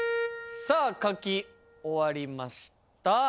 さあ書き終わりました。